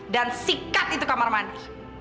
dan sikat itu kamar mandi